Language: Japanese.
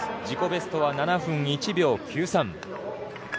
自己ベストは７分１秒９３。